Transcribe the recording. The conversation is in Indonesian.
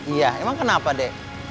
iya emang kenapa de